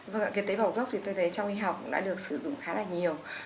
vâng ạ cái tế bào gốc thì tôi thấy trong y học cũng đã được sử dụng khá là nhiều